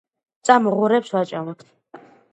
წამო ღორებს ვაჭამოთ